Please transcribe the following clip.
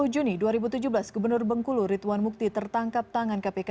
dua puluh juni dua ribu tujuh belas gubernur bengkulu ridwan mukti tertangkap tangan kpk